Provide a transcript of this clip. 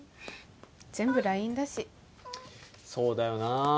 全部ＬＩＮＥだしそうだよな